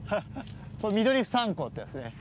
ミドリフサアンコウってやつね。